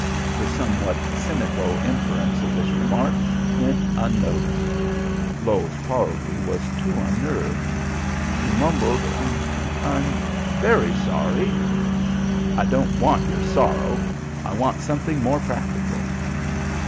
The somewhat cynical inference of this remark went unnoticed. Lowes Parlby was too unnerved. He mumbled: "I'm very sorry." "I don't want your sorrow. I want something more practical."